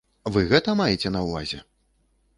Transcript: Вы гэта маеце на ўвазе?